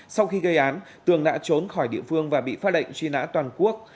sau khi gây án tường đã trốn khỏi địa phương và bị phát lệnh truy nã toàn quốc